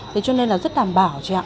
thế cho nên là rất đảm bảo chị ạ